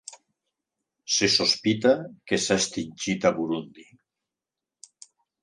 Se sospita que s'ha extingit a Burundi.